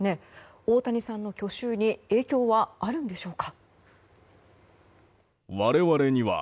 大谷さんの去就に影響はあるんでしょうか。